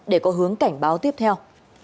để có hướng cảnh báo tiếp theo